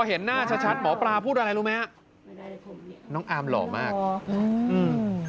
เห็นหน้าชัดชัดหมอปลาพูดอะไรรู้ไหมฮะน้องอาร์มหล่อมากอ๋ออืม